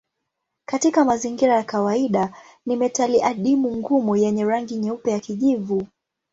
Katika mazingira ya kawaida ni metali adimu ngumu yenye rangi nyeupe ya kijivu.